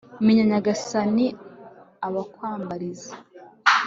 menya, nyagasani, abakwambariza